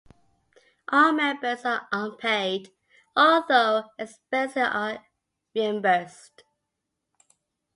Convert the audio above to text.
All members are unpaid, although expenses are reimbursed.